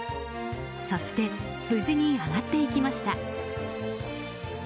そして、無事に上がっていきました。